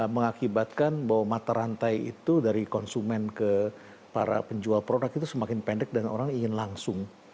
mengakibatkan bahwa mata rantai itu dari konsumen ke para penjual produk itu semakin pendek dan orang ingin langsung